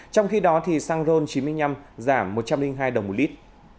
trong khi đó xăng ron chín mươi năm giảm một trăm linh hai đồng một lít